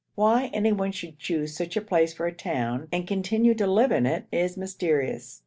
Why anyone should choose such a place for a town, and continue to live in it, is mysterious.